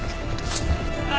あ！